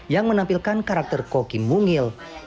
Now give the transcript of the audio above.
yang menampilkan karakter koki mungil